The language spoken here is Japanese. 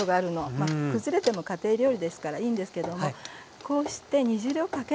まあくずれても家庭料理ですからいいんですけどもこうして煮汁をかけながら。